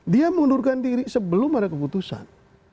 dia mundurkan diri sebelum ada keputusan